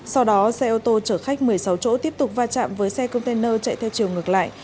sau đó xe ô tô chở khách một mươi sáu chỗ tiếp tục va chạm với xe container chạy theo chiều ngược lại